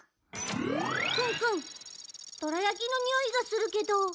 くんくんどら焼きのにおいがするけど。